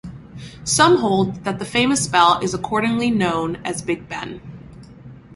Some hold that the famous bell is accordingly known as 'Big Ben'.